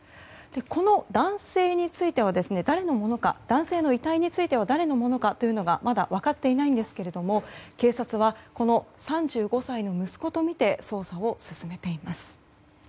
この男性の遺体については誰のものかということがまだ分かっていないんですが警察は、この３５歳の息子とみて捜査を進めています。